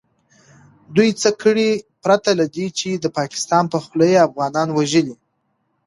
دوئ څه کړي پرته له دې چې د پاکستان په خوله يې افغانان وژلي .